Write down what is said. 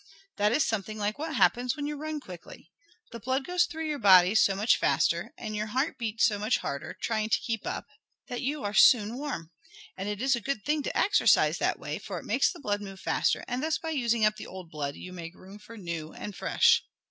"That is something like what happens when you run quickly. The blood goes through your body so much faster, and your heart beats so much harder, trying to keep up, that you are soon warm. And it is a good thing to exercise that way, for it makes the blood move faster, and thus by using up the old blood, you make room for new, and fresh.